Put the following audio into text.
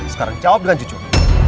sekarang jawab dengan jujur